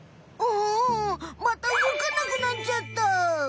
うんまたうごかなくなっちゃった。